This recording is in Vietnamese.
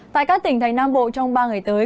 tại các tỉnh thành nam bộ trong ba ngày tới